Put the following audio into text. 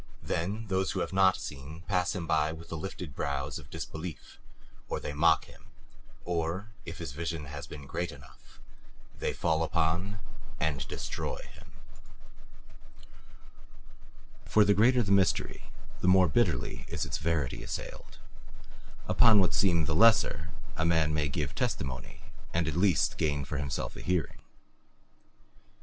Then those who have not seen pass him by with the lifted brows of disbelief, or they mock him, or if his vision has been great enough they fall upon and destroy him. For the greater the mystery, the more bitterly is its verity assailed; upon what seem the lesser a man may give testimony and at least gain for himself a hearing.